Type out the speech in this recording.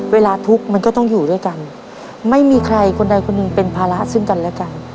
เวลาทุกข์มันก็ต้องอยู่ด้วยกันไม่มีใครคนใดคนหนึ่งเป็นภาระซึ่งกันและกัน